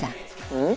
うん？